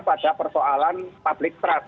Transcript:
pada persoalan public trust